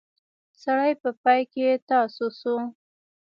سړی په پای کې تاسی شو.